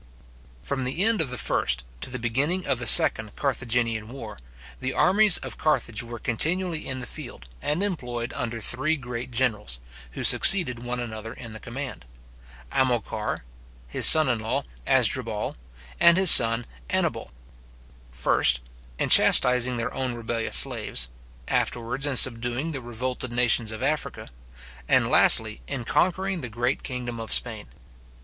From the end of the first to the beginning of the second Carthaginian war, the armies of Carthage were continually in the field, and employed under three great generals, who succeeded one another in the command; Amilcar, his son in law Asdrubal, and his son Annibal: first in chastising their own rebellious slaves, afterwards in subduing the revolted nations of Africa; and lastly, in conquering the great kingdom of Spain.